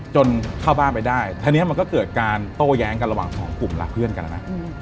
จนเข้าบ้านไปได้ทีนี้มันก็เกิดการโต้แย้งกันระหว่างสองกลุ่มล่ะเพื่อนกันแล้วนะ